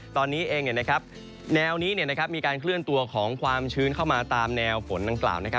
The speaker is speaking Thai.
ตอนนี้เองแนวนี้มีการเคลื่อนตัวของความชื้นเข้ามาตามแนวฝนดังกล่าว